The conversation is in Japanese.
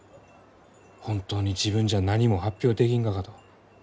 本当に自分じゃ何も発表できんがかと。